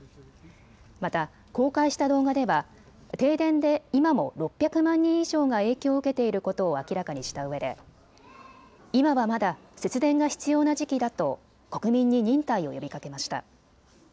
また公開した動画では停電で今も６００万人以上が影響を受けていることを明らかにしたうえで今はまだ節電が必要な時期だと国民に忍耐を呼びかけました。